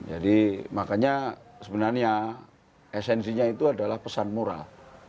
jadi makanya sebenarnya esensinya itu adalah pesan moral